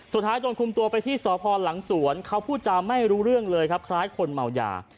สุดท้ายโดนคุมตัวไปที่สพหลังสวนเขาพูดจาไม่รู้เรื่องเลยครับคล้ายคนเมายา